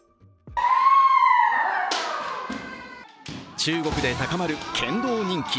中国で高まる剣道人気。